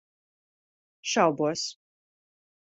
Šaubos.